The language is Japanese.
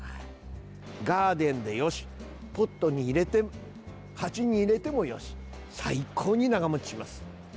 ガーデンでよしポットに入れて鉢に入れてもよし最高に長もちします。